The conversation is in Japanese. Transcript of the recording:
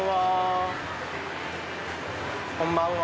こんばんは。